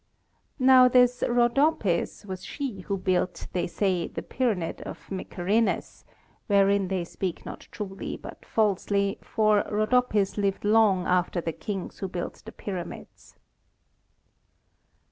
Now this Rhodopis was she who built, they say, the Pyramid of Mycerinus: wherein they speak not truly but falsely, for Rhodopis lived long after the kings who built the Pyramids.